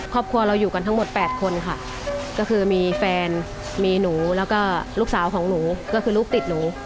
ครอบครัวเราอยู่กันทั้งหมด๘คนค่ะก็คือมีแฟนมีหนูแล้วก็ลูกสาวของหนูก็คือลูกติดหนู